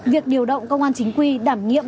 việc điều động công an chính quy đảm nghiệm